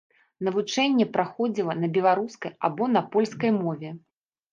Навучанне праходзіла на беларускай або на польскай мове.